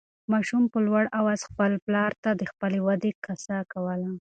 ماشوم په لوړ اواز خپل پلار ته د خپلې ودې قصه کوله.